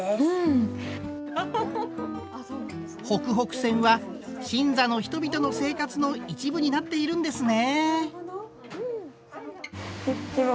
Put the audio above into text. ほくほく線は新座の人々の生活の一部になっているんですね。